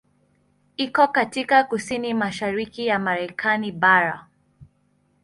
Iko katika kusini mashariki ya Marekani bara.